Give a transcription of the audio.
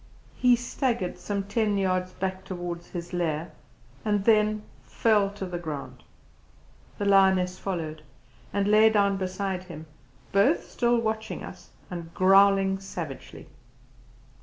He staggered some ten yards back towards his lair, and then fell to the ground; the lioness followed, and lay down beside him both still watching us, and growling savagely.